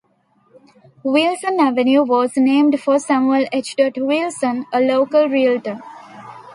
Wilson Avenue was named for Samuel H. Wilson, a local realtor.